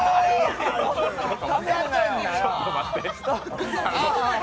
ちょっと待って。